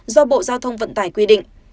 do bộ giao thông vận tải quy định